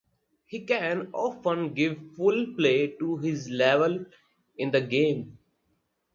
He can often give full play to his level in the game.